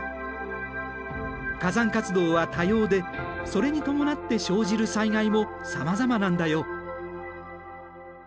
火山活動は多様でそれに伴って生じる災害もさまざまなんだよ。